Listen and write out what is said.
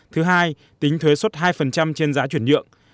thứ hai tính thuế xuất hai trên giá chuyển nhượng